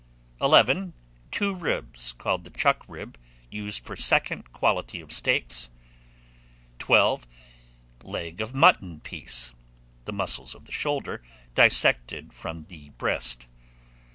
11. Two ribs, called the chuck rib, used for second quality of steaks. 12. Leg of mutton piece, the muscles of the shoulder dissected from the breast.